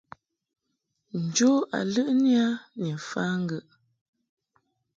Njo a ləʼni a ni mfa ŋgəʼ.